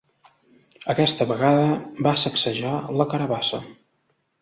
Aquesta vegada va sacsejar la carabassa.